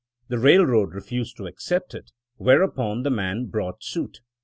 The railroad refused to accept it, whereupon the man brought suit.